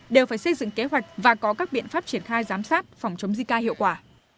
đều phải xây dựng kế hoạch và có các biện pháp triển khai giám sát phòng chống zika hiệu quả